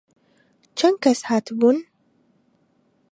چەند کەس هاتبوون؟